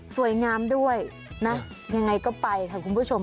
สวยงามด้วยนะยังไงก็ไปค่ะคุณผู้ชม